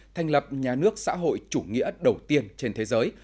thành lập nhà nước xã hội chủ nghĩa đầu tiên trên thế giới